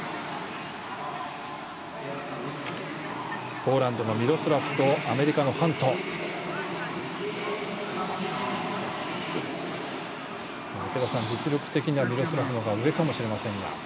ポーランドのミロスラフとアメリカのハント実力的にはミロスラフの方が上かもしれませんが。